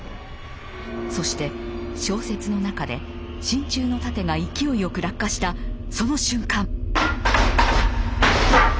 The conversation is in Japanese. そして小説の中で真鍮の楯が勢いよく落下したその瞬間！